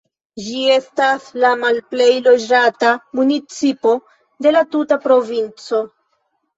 Ĝi estas la malplej loĝata municipo de la tuta provinco.